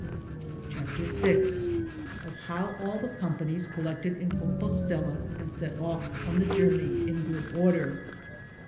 CHAPTER VI Of how all the companies collected In Compostela and set ofl on the journey In good oider.